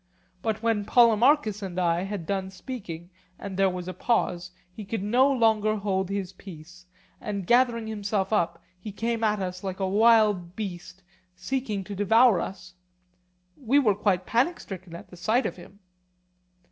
But when Polemarchus and I had done speaking and there was a pause, he could no longer hold his peace; and, gathering himself up, he came at us like a wild beast, seeking to devour us. We were quite panic stricken at the sight of him.